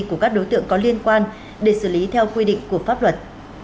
của các đối tượng có liên quan để xử lý theo quy định của pháp luật